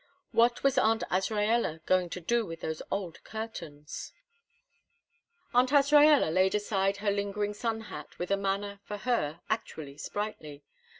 What was Aunt Azraella going to do with those old curtains? Aunt Azraella laid aside her lingering sun hat with a manner for her actually sprightly.